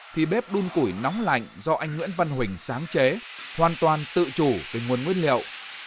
thì bếp đun củi nóng lạnh do anh nguyễn văn huỳnh sáng chế hoàn toàn tự chủ về nguồn nguyên liệu